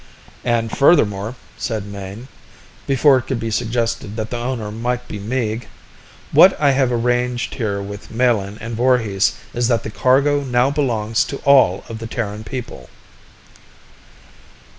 "And furthermore," said Mayne, before it could be suggested that the owner might be Meeg, "what I have arranged here with Melin and Voorhis is that the cargo now belongs to all of the Terran people."